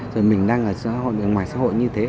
rồi mình đang ở ngoài xã hội như thế